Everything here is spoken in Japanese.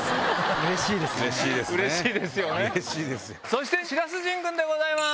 そして白洲迅君でございます。